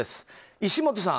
石本さん。